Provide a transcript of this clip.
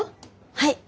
はい。